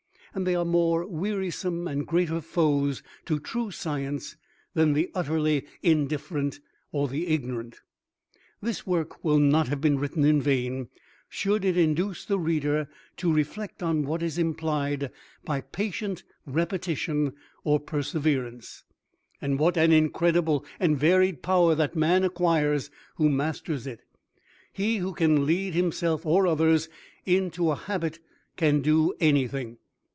And they are more wearisome and greater foes to true Science than the utterly indifferent or the ignorant. This work will not have been written in vain should it induce the reader to reflect on what is implied by patient repetition or perseverance, and what an incredible and varied power that man acquires who masters it. He who can lead himself, or others, into a habit can do anything.